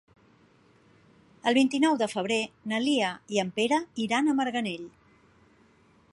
El vint-i-nou de febrer na Lia i en Pere iran a Marganell.